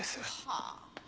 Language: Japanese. はあ。